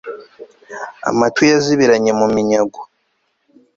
amatwi yazibiranye mu minyago